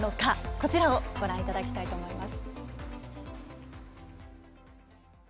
こちらをご覧いただきたいと思います。